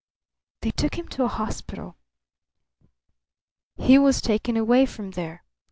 "They took him to a hospital." "He was taken away from there."